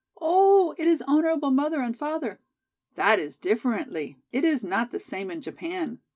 "Oh, it is honorable mother and father! That is differently. It is not the same in Japan.